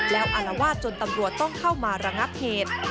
แล้วอารวาสจนตำรวจต้องเข้ามาระงับเหตุ